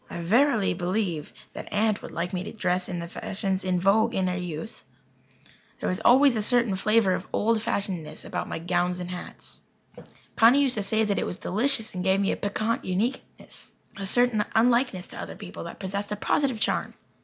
I verily believe that Aunt would like me to dress in the fashions in vogue in her youth. There is always a certain flavour of old fashionedness about my gowns and hats. Connie used to say that it was delicious and gave me a piquant uniqueness a certain unlikeness to other people that possessed a positive charm.